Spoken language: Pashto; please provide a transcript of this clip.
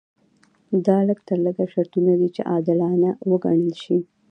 دا لږ تر لږه شرطونه دي چې عادلانه وګڼل شي.